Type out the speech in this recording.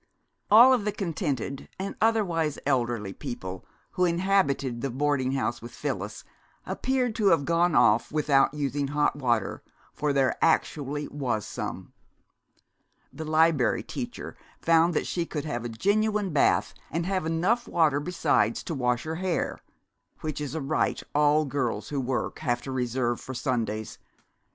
... All of the contented, and otherwise, elderly people who inhabited the boarding house with Phyllis appeared to have gone off without using hot water, for there actually was some. The Liberry Teacher found that she could have a genuine bath, and have enough water besides to wash her hair, which is a rite all girls who work have to reserve for Sundays.